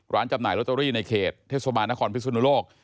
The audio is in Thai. จำหน่ายลอตเตอรี่ในเขตเทศบาลนครพิสุนุโลก